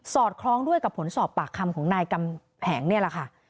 อดคล้องด้วยกับผลสอบปากคำของนายกำแหงนี่แหละค่ะ